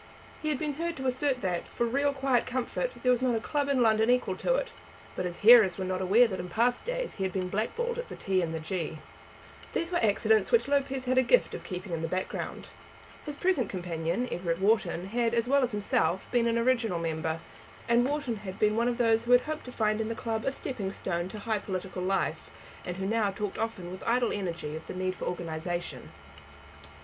He had been heard to assert that, for real quiet comfort, there was not a club in London equal to it; but his hearers were not aware that in past days he had been blackballed at the T and the G . These were accidents which Lopez had a gift of keeping in the background. His present companion, Everett Wharton, had, as well as himself, been an original member; and Wharton had been one of those who had hoped to find in the club a stepping stone to high political life, and who now talked often with idle energy of the need of organization.